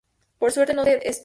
Por suerte, no se esparció.